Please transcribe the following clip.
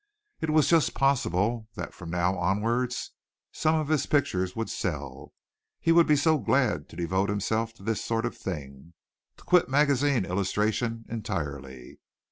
It was just possible that from now onwards some of his pictures would sell. He would be so glad to devote himself to this sort of thing to quit magazine illustration entirely.